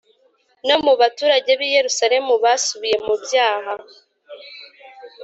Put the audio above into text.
No mu baturage b i yerusalemu basubiye mu byaha